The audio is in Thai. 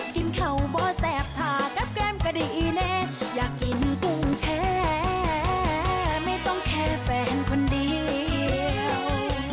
กินเข่าบ่อแสบถ่ากับแก้มก็ได้อีแน่อยากกินกุ้งแชร์ไม่ต้องแค่แฟนคนเดียว